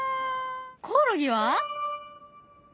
コオロギは？